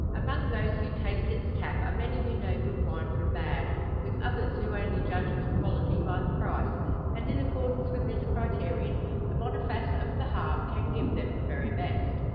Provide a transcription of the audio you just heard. Among those who taste its tap are many who know good wine from bad, with others who only judge of the quality by the price; and in accordance with this criterion the Boniface of the "Harp" can give them the very best.